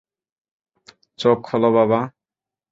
চোখ খোলো, বাবা!